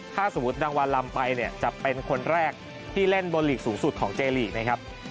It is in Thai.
ถ้าสมมุติรางวัลลำไปเนี่ยจะเป็นคนแรกที่เล่นบนหลีกสูงสุดของเจลีกนะครับ